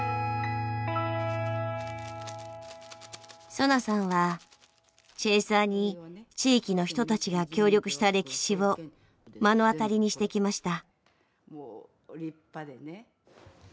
ソナさんはチェーサーに地域の人たちが協力した歴史を目の当たりにしてきました。